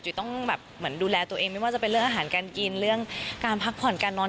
ต้องแบบเหมือนดูแลตัวเองไม่ว่าจะเป็นเรื่องอาหารการกินเรื่องการพักผ่อนการนอน